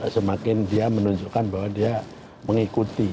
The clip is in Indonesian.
semakin dia menunjukkan bahwa dia mengikuti